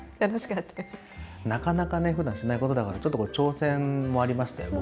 なかなかふだんしないことだから挑戦でもありましたね